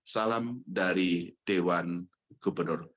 salam dari dewan gubernur